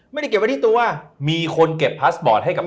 ไม่ได้เก็บไว้ที่ตัวมีคนเก็บพาสบอร์ดให้กับ